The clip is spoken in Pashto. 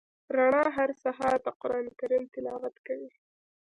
رڼا هر سهار د قران کریم تلاوت کوي.